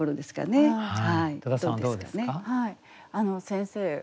先生